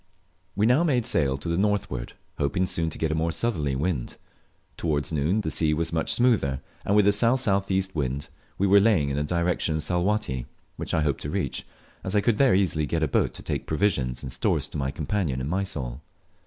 We now made sail to the northward, hoping soon to get a more southerly wind. Towards noon the sea was much smoother, and with a S.S.E. wind we were laying in the direction of Salwatty, which I hoped to reach, as I could there easily get a boat to take provisions and stores to my companion in Mysol.